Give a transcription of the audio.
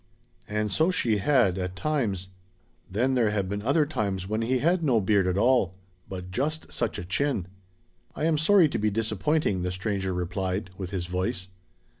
And so she had at times; then there had been other times when he had no beard at all but just such a chin. "I am sorry to be disappointing," the stranger replied with his voice.